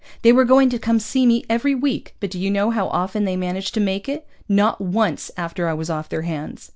They were going to come see me every week, but do you know how often they managed to make it? Not once after I was off their hands.